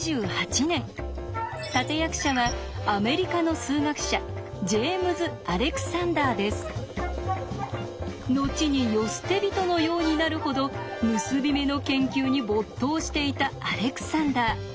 立て役者はアメリカの数学者後に世捨て人のようになるほど結び目の研究に没頭していたアレクサンダー。